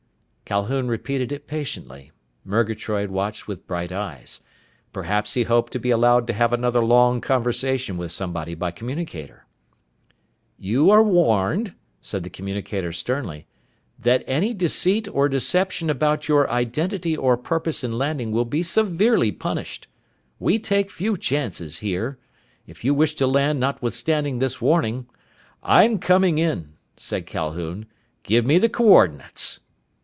Calhoun repeated it patiently. Murgatroyd watched with bright eyes. Perhaps he hoped to be allowed to have another long conversation with somebody by communicator. "You are warned," said the communicator sternly, "that any deceit or deception about your identity or purpose in landing will be severely punished. We take few chances, here! If you wish to land notwithstanding this warning " "I'm coming in," said Calhoun. "Give me the coordinates."